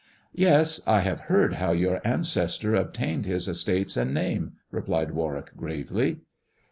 '*Yes. I have heard how your ancestor obtained his estates and name," replied Warwick gravely.